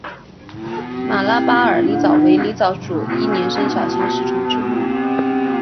马拉巴尔狸藻为狸藻属一年生小型食虫植物。